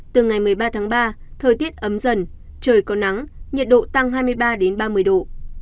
từ ngày một mươi ba tháng ba thời tiết ấm dần trời có nắng nhiệt độ tăng hai mươi ba ba mươi độ